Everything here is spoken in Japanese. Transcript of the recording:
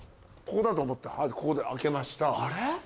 ここだと思ってここで開けました。